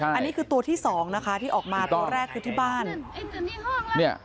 อันนี้คือตัวที่สองนะคะที่ออกมาตัวแรกคือที่บ้านเนี่ย